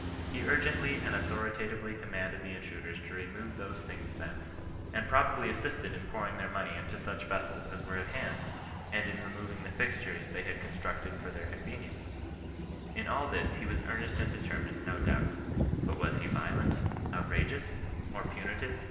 He urgently and authori tatively commanded the intruders to remove those things thence, and probably assisted in pouring their money into such vessels as were at hand, and in removing the fixtures they had constructed for their convenience In all this he was earnest and determined, no doubt. But was he violent, outrageous, or punitive